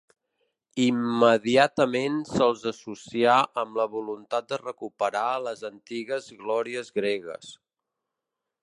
Immediatament se'ls associà amb la voluntat de recuperar les antigues glòries gregues.